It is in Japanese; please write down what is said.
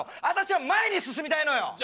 私は前に進みたいのよ！